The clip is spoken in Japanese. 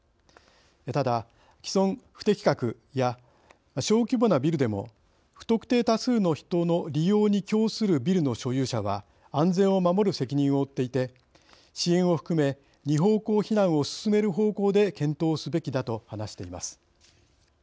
ただ既存不適格や小規模なビルでも不特定多数の人の利用に供するビルの所有者は安全を守る責任を負っていて支援を含め２方向避難を進める方向で検討をすべきだ」と話しています。